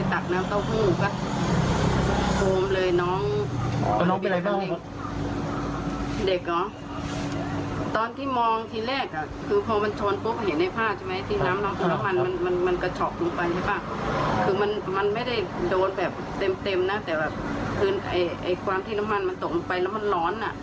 เต็มนะแต่แบบความที่น้ำมันมันตกไปแล้วมันร้อน